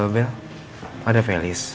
bel ada felis